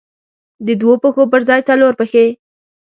د دوو پښو پر ځای څلور پښې.